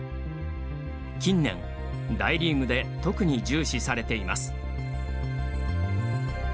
近年、大リーグで特に重視されています。